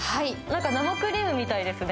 生クリームみたいですね。